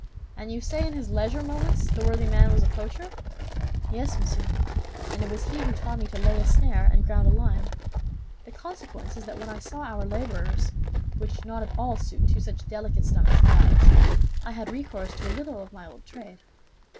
And you say in his leisure moments the worthy man was a poacher?" "Yes, monsieur, and it was he who taught me to lay a snare and ground a line. The consequence is that when I saw our laborers, which did not at all suit two such delicate stomachs as ours, I had recourse to a little of my old trade.